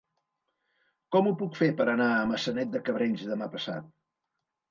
Com ho puc fer per anar a Maçanet de Cabrenys demà passat?